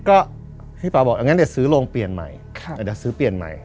ก็พี่ป๋าบอกอย่างงี้เดี๋ยวซื้อโรงเปลี่ยนใหม่ครับอย่างงี้เดี๋ยวซื้อเปลี่ยนใหม่